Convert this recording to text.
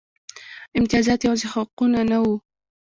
امتیازات یوازې حقونه نه وو.